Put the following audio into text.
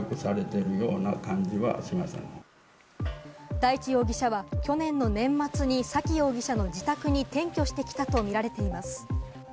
大地容疑者は去年の年末に沙喜容疑者の自宅に転居してきたと見られています。